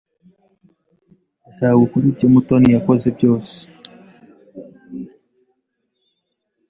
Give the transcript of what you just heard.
Ndashaka gukora ibyo Mutoni yakoze byose.